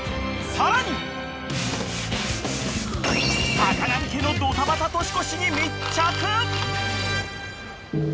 ［さかがみ家のドタバタ年越しに密着］